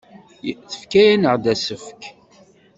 Tefka-aneɣ-d asefk.